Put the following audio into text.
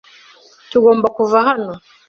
Tugomba kuva hano.